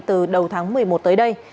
từ đầu tháng một mươi một tới đây